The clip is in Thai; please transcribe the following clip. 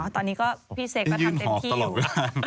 ตอนนี้พี่เสกก็ทำเต็มที่